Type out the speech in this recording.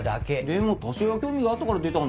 でも多少は興味があったから出たんだろ？